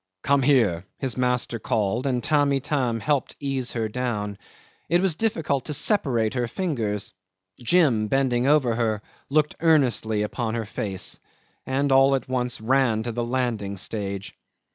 "Come here!" his master called, and Tamb' Itam helped to ease her down. It was difficult to separate her fingers. Jim, bending over her, looked earnestly upon her face, and all at once ran to the landing stage.